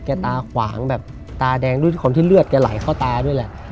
ตาขวางแบบตาแดงด้วยคนที่เลือดแกไหลเข้าตาด้วยแหละ